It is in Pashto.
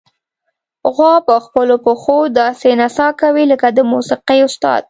غوا په خپلو پښو داسې نڅا کوي لکه د موسیقۍ استاد.